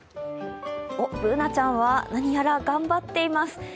おっ、Ｂｏｏｎａちゃんは何やら頑張っています。